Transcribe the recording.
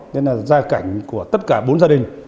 nên là gia cảnh của tất cả bốn gia đình